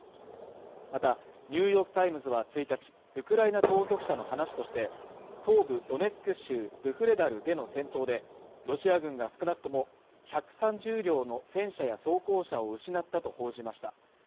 また、「ニューヨーク・タイムズ」は１日、ウクライナ当局者の話として、東部ドネツク州、ブフレダルでの戦闘でロシア軍が少なくとも１３０両の戦車や装甲車を失ったと報じました。